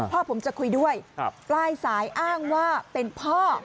พ่อผมจะคุยด้วยปลายสายอ้างว่าเป็นพ่อ